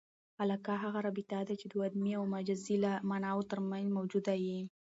علاقه هغه رابطه ده، چي د وضمي او مجازي ماناوو ترمنځ موجوده يي.